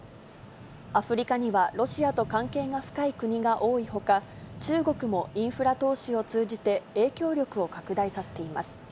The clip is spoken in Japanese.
アフリカにはロシアと関係が深い国が多いほか、中国もインフラ投資を通じて影響力を拡大させています。